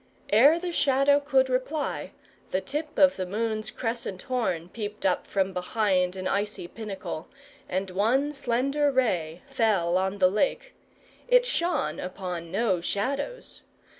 Ere the Shadow could reply, the tip of the moon's crescent horn peeped up from behind an icy pinnacle, and one slender ray fell on the lake. It shone upon no Shadows.